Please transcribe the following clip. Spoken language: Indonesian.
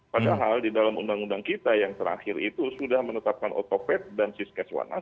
padahal di dalam undang undang kita yang terakhir itu sudah menetapkan otopet dan siskeswana